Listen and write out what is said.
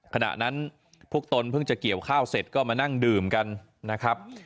ขณะนั้นพวกตนเพิ่งจะเกี่ยวข้าวเสร็จก็มานั่งดื่มกันนะครับ